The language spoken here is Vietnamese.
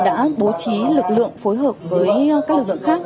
đã bố trí lực lượng phối hợp với các lực lượng khác